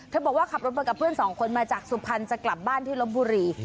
เธอบอกว่าขับรถกับเพื่อน๒คนมาจากสุพรรจ์จะกลับบ้านที่รถบุรี